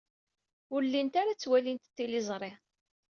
Ur llint ara ttwalint tiliẓri.